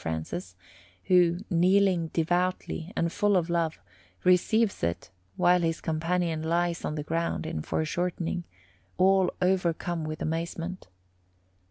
Francis, who, kneeling devoutly and full of love, receives it, while his companion lies on the ground, in foreshortening, all overcome with amazement.